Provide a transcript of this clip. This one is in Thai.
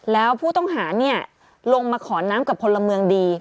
แล้วผู้ต้องหาลงมาขอน้ำกับพลเมืองดี